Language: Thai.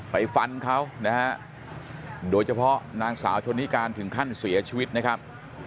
ฟันเขานะฮะโดยเฉพาะนางสาวชนนิการถึงขั้นเสียชีวิตนะครับ